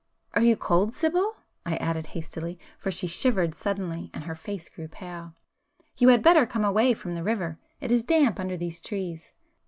Are you cold, Sibyl?" I added hastily, for she shivered suddenly and her face grew pale—"You had better come away from the river,—it is damp under these trees."